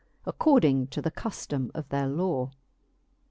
According to the cuftome of their law.